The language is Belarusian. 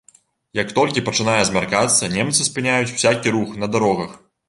Як толькі пачынае змяркацца, немцы спыняюць усякі рух на дарогах.